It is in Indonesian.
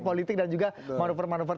politik dan juga manuver manuver